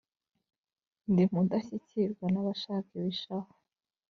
Ndi Mudashyikirwa n'abashaka ibishahu,